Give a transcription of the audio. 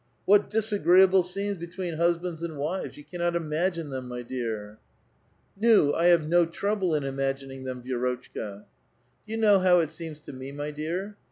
what disagreeable scenes between husbands and wives ; you cannot imagine them, my dear !"" JVm/ I have no trouble in imagining them, Vi6rotchka." Do you know how it seems to me, my dear?